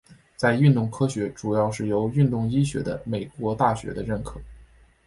在运动科学主要是由运动医学的美国大学的认可。